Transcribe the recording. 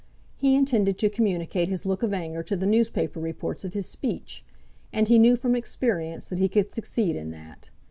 He intended to communicate his look of anger to the newspaper reports of his speech; and he knew from experience that he could succeed in that.